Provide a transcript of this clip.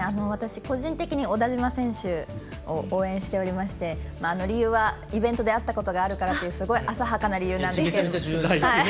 個人的に小田島選手を応援しておりまして理由はイベントで会ったことがあるからというすごい浅はかな理由なんですけど。